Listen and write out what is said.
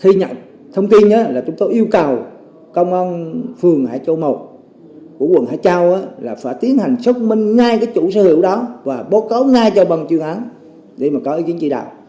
khi nhận thông tin đó là chúng tôi yêu cầu công an phường hải châu một của quận hải châu là phải tiến hành xúc minh ngay cái chủ xe hữu đó và bố cấu ngay cho bằng truyền hóa để mà có ý kiến trị đạo